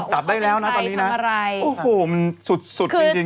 จับได้แล้วนะตอนนี้นะโอ้โหมันสุดจริงเลย